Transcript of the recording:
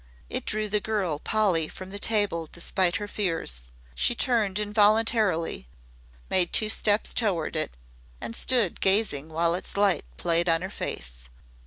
It drew the girl Polly from the table despite her fears. She turned involuntarily, made two steps toward it, and stood gazing while its light played on her face.